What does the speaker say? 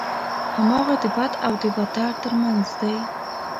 هماغه د بد او بدتر ترمنځ دی.